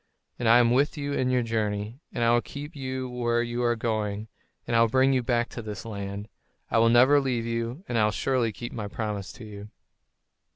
And I am with you in your journey, and I will keep you where you are going, and will bring you back to this land. I will never leave you, and I will surely keep my promise to you."